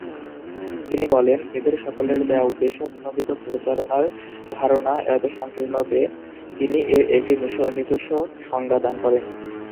তিনি বলেন, এদের সকলের দেয়া উদ্দেশ্যপ্রণোদিত প্রচারণার ধারণা এত সংকীর্ণ যে তিনি এর একটি নিজস্ব সংজ্ঞা দান করেন।